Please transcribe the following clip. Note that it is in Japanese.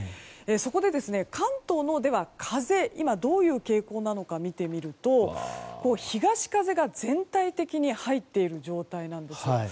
そこで、関東の風今、どういう傾向なのか見てみると東風が全体的に入っている状態なんです。